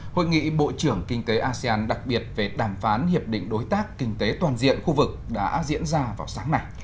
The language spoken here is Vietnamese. hội nghị bộ trưởng kinh tế asean đặc biệt về đàm phán hiệp định đối tác kinh tế toàn diện khu vực đã diễn ra vào sáng nay